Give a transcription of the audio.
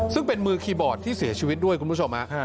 ซึ่งเป็นมือคีย์บอร์ดที่เสียชีวิตด้วยคุณผู้ชม